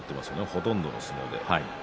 ほとんどの相撲で。